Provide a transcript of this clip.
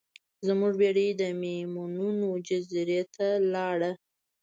زموږ بیړۍ د میمونونو جزیرې ته لاړه.